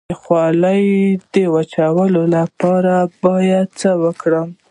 د خولې د وچوالي لپاره باید څه وکړم؟